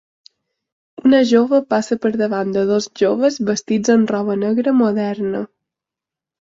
Una jove passa per davant de dos joves vestits amb roba negra moderna.